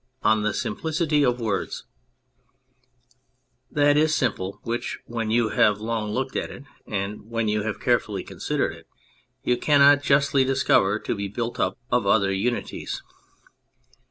22 ON THE SIMPLICITY OF THAT is simple which, when you have long looked at it, and when you have carefully considered it, you cannot justly discover to be built up of other unities.